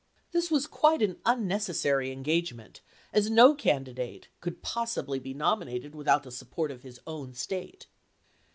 This was quite an unnecessary engagement, as no candidate could possibly be nominated without the support of his own State.